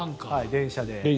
電車で。